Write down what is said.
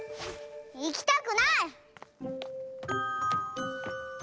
いきたくない！